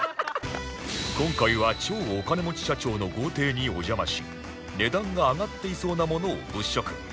今回は超お金持ち社長の豪邸にお邪魔し値段が上がっていそうなものを物色